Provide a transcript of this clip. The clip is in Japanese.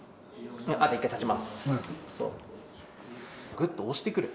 ぐっと押してくる。